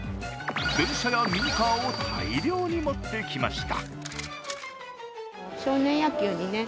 電車やミニカーを大量に持ってきました。